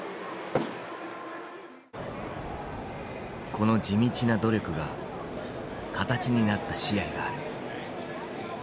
この地道な努力が形になった試合がある。